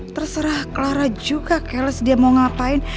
terserah clara juga cales dia mau ngapain